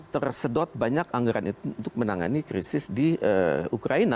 tersedot banyak anggaran itu untuk menangani krisis di ukraina